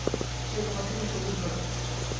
সে ঘর থেকে সবুজ ঘরে।